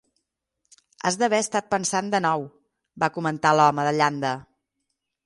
"Has d'haver estat pensant de nou", va comentar l'home de llanda.